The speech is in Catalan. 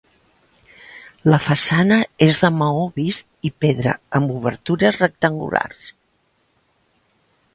La façana és de maó vist i pedra, amb obertures rectangulars.